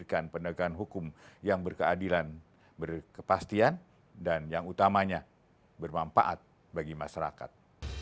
kejaksaan yang berkeadilan berkepastian dan yang utamanya bermanfaat bagi masyarakat